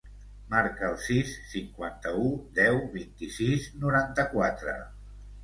Marca el sis, cinquanta-u, deu, vint-i-sis, noranta-quatre.